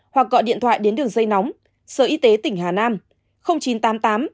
hoặc gọi điện thoại đến đường dây nóng sở y tế tỉnh hà nam chín trăm tám mươi tám tám trăm hai mươi sáu ba trăm bảy mươi ba